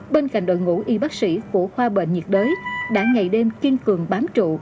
bên cạnh đội ngũ y bác sĩ của khoa bệnh nhiệt đới đã ngày đêm kiên cường bám trụ